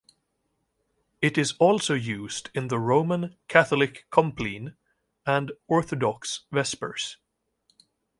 It is also used in the Roman Catholic Compline and Orthodox Vespers.